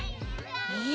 え？